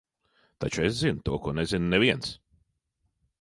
Taču es zinu to, ko nezina neviens.